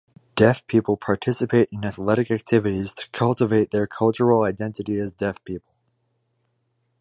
Deaf people participate in athletic activities to cultivate their cultural identity as Deaf people.